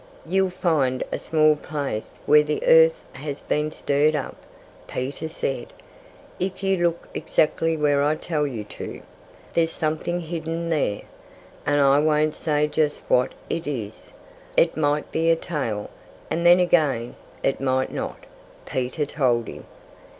"You'll find a small place where the earth has been stirred up," Peter said, "if you look exactly where I tell you to. There's something hidden there. And I won't say just what it is. It might be a tail; and then again, it might not," Peter told him.